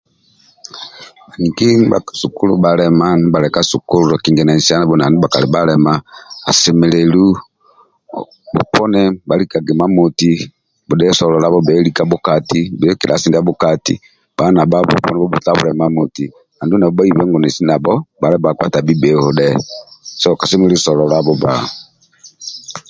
Bhaniki ndibha ka sukulu ndibha bhali ka sukulu bhalema kingananisabho na ndibha bhakali bhalema asemelelu bhoponi bhalikage imamoti bhadhue sololabho bheho likabho kati bheo kilasi ndiabho kati bhali nabhabho bhoponi obhutabule imamoti andulu nabho bhaibe nesi nabho bhali bhakpa tai bheho so kosemelelu sololabho bba